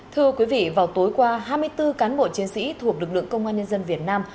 thưa quý vị vào tối qua hai mươi bốn cán bộ chiến sĩ thuộc lực lượng công an nhân dân việt nam